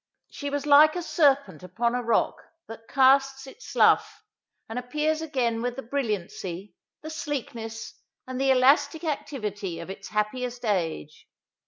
She was like a serpent upon a rock, that casts its slough, and appears again with the brilliancy, the sleekness, and the elastic activity of its happiest age.